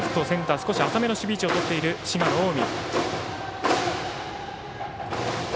少し浅めの守備位置をとっている滋賀の近江。